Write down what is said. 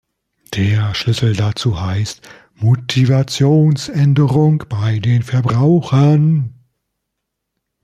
Der Schlüssel dazu heißt Motivationsänderung bei den Verbrauchern.